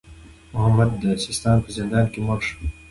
محمد د سیستان په زندان کې مړ شو.